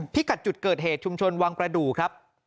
กัดจุดเกิดเหตุชุมชนวังประดูกครับ